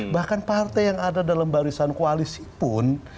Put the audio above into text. bahkan partai yang ada dalam barisan koalisi pun